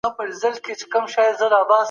د شرعي حکمونو يا شرهي معلوماتو درواغ بلل کفر دی